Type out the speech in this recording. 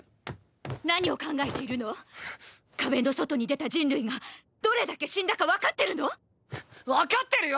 何を考えているの⁉壁の外に出た人類がどれだけ死んだか分かってるの⁉分かってるよ！